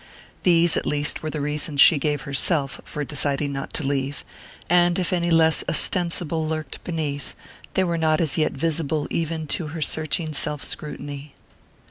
These at least were the reasons she gave herself for deciding not to leave; and if any less ostensible lurked beneath, they were not as yet visible even to her searching self scrutiny.